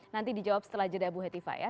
nanti dijawab setelah jeda bu hetiva ya